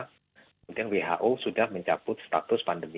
kemudian who sudah mencabut status pandemi